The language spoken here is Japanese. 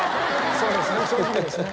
そうですね。